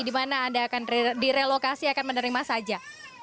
di mana anda akan direlokasi akan menerima saja